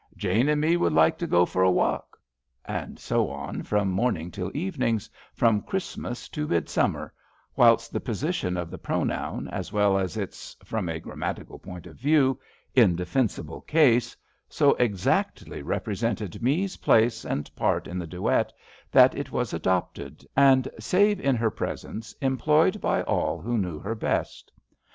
"Jane and Me would like to go for a walk." And so on from morning till evening, from Christmas to Midsummer, whilst the position of the pronoun as well as its— from a grammatical point of view — indefensible case, so exactly represented Me's place and part in the duet, that it was adopted, and, save in her presence, employed by all who knew her best.